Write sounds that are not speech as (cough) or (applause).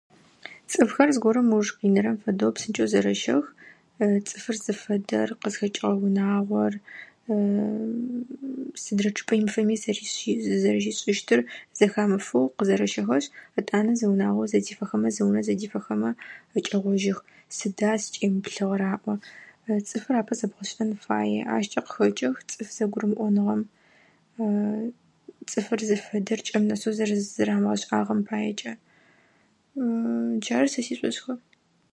Цӏыфхэр зыгорэм ыуж къинэхэрэм фэдэу псынкӏэу зэрэщэх. (hesitation) Цӏыфыр зыфэдэр, къызхэкӏыгъэ унагъор, (hesitation) сыдрэ чъыпӏэ имыфэми зэзэры зызэрэщишӏыщтыр зэхамыфэу къызэрэщэхэшъ етӏанэ зы унагъо зэдифэхэмэ, зы унэ зэдифэхэмэ зэкӏэгъожьых. Сыда сыкӏемыплъыгъэр? - аӏо. Цӏыфыр апэ зэбгъэшӏэн фае. Ащкӏэ къыхэкӏых цӏыф зэгурымыӏоныгъэм. (hesitation) Цӏыфыр зыфэдэр кӏэм нэсэу зызэрамыгъэшӏагъэм паекӏэ. (hesitation) Джары сэ сишӏошӏхэр.